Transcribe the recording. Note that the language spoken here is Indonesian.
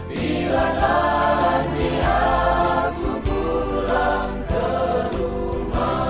bila nanti aku pulang ke rumah